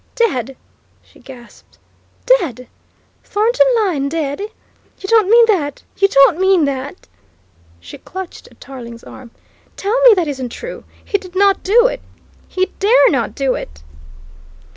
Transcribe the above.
"Dead!" she gasped. "Dead! Thornton Lyne dead! You don't mean that, you don't mean that?" She clutched at Tarling's arm. "Tell me that isn't true! He did not do it, he dare not do it!"